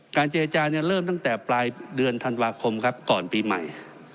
เจรจาเนี่ยเริ่มตั้งแต่ปลายเดือนธันวาคมครับก่อนปีใหม่